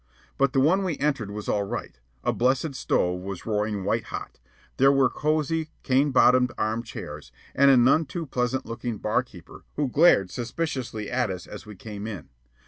But the one we entered was all right. A blessed stove was roaring white hot; there were cosey, cane bottomed arm chairs, and a none too pleasant looking barkeeper who glared suspiciously at us as we came in.